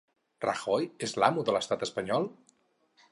Rajoy és l'amo de l'estat espanyol?